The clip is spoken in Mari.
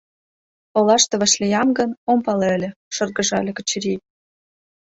— Олаште вашлиям гын, ом пале ыле, — шыргыжале Качырий.